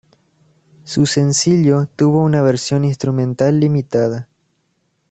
Su sencillo tuvo una versión instrumental limitada.